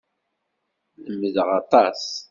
Lemmdeɣ aṭas.